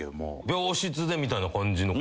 病室でみたいな感じの。